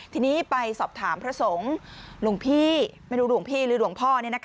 ทีนี้ไปสอบถามพระสงฆ์หรือหลวงพ่อ